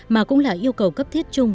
mà cũng là yêu cầu cấp thiết